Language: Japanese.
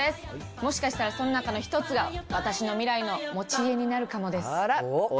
もしかしたらその中の一つが、私の未来の持ち家になるかもです。